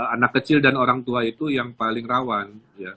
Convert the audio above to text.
anak kecil dan orang tua itu yang paling rawan